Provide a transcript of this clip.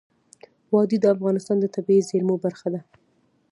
وادي د افغانستان د طبیعي زیرمو برخه ده.